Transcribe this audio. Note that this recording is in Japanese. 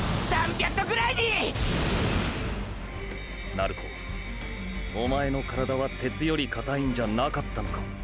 鳴子おまえの体は鉄よりかたいんじゃなかったのか！！